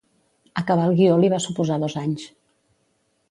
Acabar el guió li va suposar dos anys.